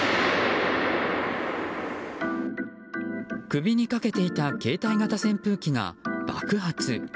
首にかけていた携帯型扇風機が爆発。